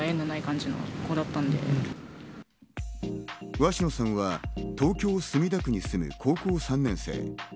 鷲野さんは東京・墨田区に住む高校３年生。